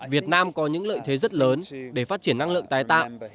việt nam có những lợi thế rất lớn để phát triển năng lượng tái tạo